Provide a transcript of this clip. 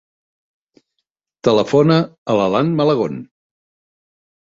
Telefona a l'Alan Malagon.